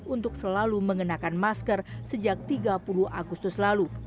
untuk selalu mengenakan masker sejak tiga puluh agustus lalu